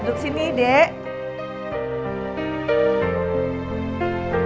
duduk sini dek